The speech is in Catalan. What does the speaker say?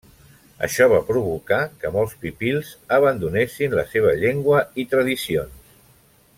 Això va provocar que molts pipils abandonessin la seva llengua i tradicions.